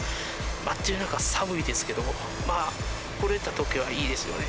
待ってる中寒いですけどもまあ撮れた時はいいですよね。